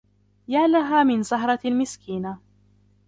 يا لها من زهرة مسكينة.